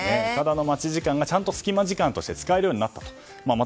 待ち時間が隙間時間として使えるようになったと。